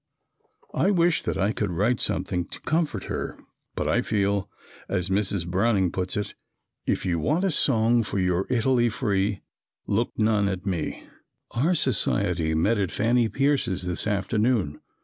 I wish that I could write something to comfort her but I feel as Mrs. Browning puts it: "If you want a song for your Italy free, let none look at me." Our society met at Fannie Pierce's this afternoon.